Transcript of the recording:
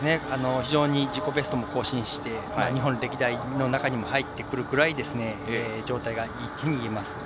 非常に自己ベストも更新して日本歴代の中に入ってくるぐらい状態がいいですね。